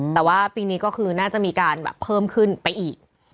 แต่ว่าปีนี้ก็คือน่าจะมีการแบบเพิ่มขึ้นไปอีก